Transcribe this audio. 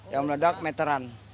yang meledak meteran